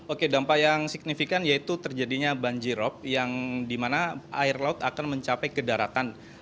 oke dampak yang signifikan yaitu terjadinya banjirop yang dimana air laut akan mencapai ke daratan